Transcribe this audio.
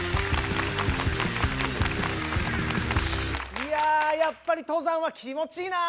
いややっぱり登山は気持ちいいな！